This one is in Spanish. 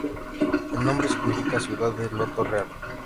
El nombre significa "ciudad de loto real".